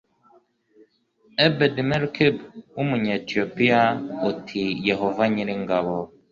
Ebedi Melekib w Umunyetiyopiya uti Yehova nyir ingabo